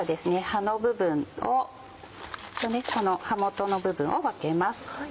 葉の部分とこの葉元の部分を分けます。